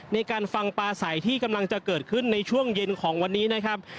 ในการฟังปลาใสที่กำลังจะเกิดขึ้นในช่วงเย็นของวันนี้นะครับ